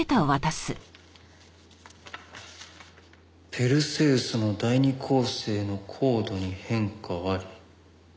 ペルセウスの第二恒星の光度に変化あり。